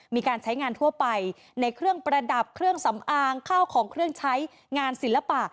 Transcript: มีการใช้งานทั่วไปในเครื่องประดับเครื่องสำอางข้าวของเครื่องใช้งานศิลปะ